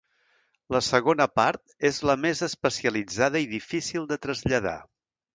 La segona part és la més especialitzada i difícil de traslladar.